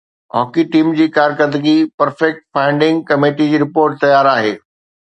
hockey team جي ڪارڪردگي perfect finding committee جي رپورٽ تيار آهي